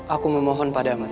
aku memohon pada amat